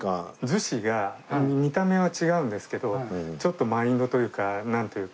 逗子が見た目は違うんですけどちょっとマインドというかなんというか。